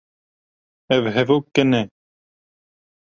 Ev hevok kin e.